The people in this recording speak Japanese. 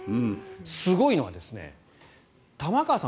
すごいのは、玉川さん